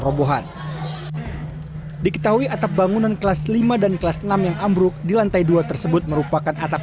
robohan diketahui atap bangunan kelas lima dan kelas enam yang ambruk di lantai dua tersebut merupakan atap